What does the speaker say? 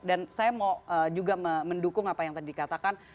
dan saya mau juga mendukung apa yang tadi dikatakan